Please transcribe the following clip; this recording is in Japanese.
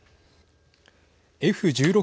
Ｆ１６